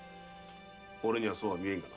おれにはそうは見えんな。